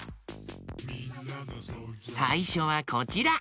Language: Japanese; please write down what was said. さいしょはこちら。